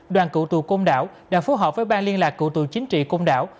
đoàn cựu tù công đảo đã phối hợp với ban liên lạc cựu tù chính trị công đảo